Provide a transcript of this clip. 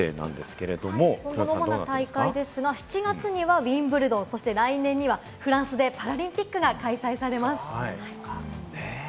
今後の主な大会ですが、７月にはウィンブルドン、来年にはフランスでパラリンピックが開催されます。